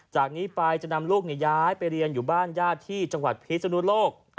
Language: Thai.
จากนี้ไปจะนำลูกย้ายไปเรียนอยู่บ้านญาติที่จังหวัดพิศนุโลก